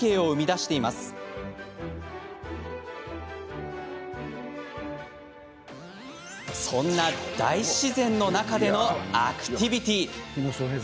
そして、そんな大自然の中でのアクティビティー。